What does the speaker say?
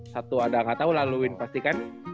satu ada nggak tahu laluin pasti kan